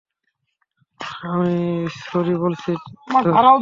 আমি সরি বলছি তো।